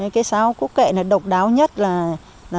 cây sáo cố kệ là độc đáo nhất là